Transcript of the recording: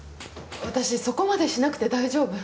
私そこまでしなくて大丈夫。